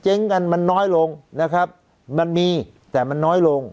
กันมันน้อยลงนะครับมันมีแต่มันน้อยลง